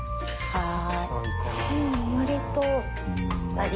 ああ。